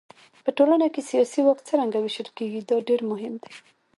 په ټولنه کې سیاسي واک څرنګه وېشل کېږي دا ډېر مهم دی.